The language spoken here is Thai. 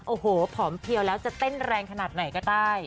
โอ้โหผอมเพียวแล้วจะเต้นแรงขนาดไหนก็ได้